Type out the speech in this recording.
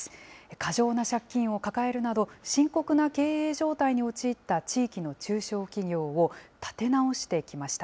過剰な借金を抱えるなど、深刻な経営状態に陥った地域の中小企業を立て直してきました。